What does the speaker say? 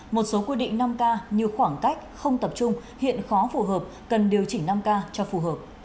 một số quy định năm k như khoảng cách không tập trung hiện khó phù hợp cần điều chỉnh năm k cho phù hợp